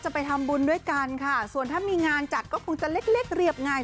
พี่รอดูเลย